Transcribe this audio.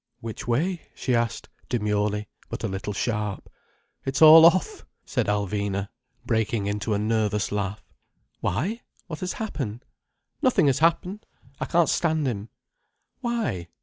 "Which way?" she asked, demurely, but a little sharp. "It's all off," said Alvina, breaking into a nervous laugh. "Why? What has happened?" "Nothing has happened. I can't stand him." "Why?